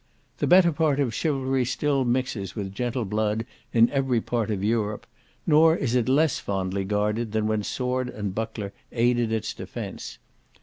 The better part of chivalry still mixes with gentle blood in every part of Europe, nor is it less fondly guarded than when sword and buckler aided its defence.